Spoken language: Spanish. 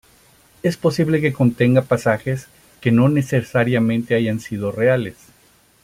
Es posible que contenga pasajes que no necesariamente hayan sido reales.